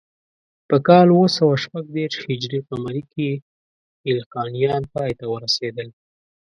په کال اوه سوه شپږ دېرش هجري قمري کې ایلخانیان پای ته ورسېدل.